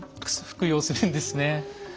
服用するんですね。